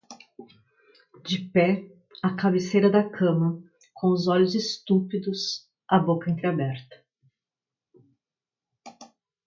De pé, à cabeceira da cama, com os olhos estúpidos, a boca entreaberta